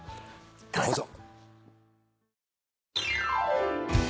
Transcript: どうぞ。